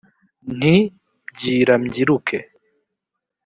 nti “byira mbyiruke”